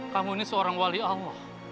kamu ini seorang wali allah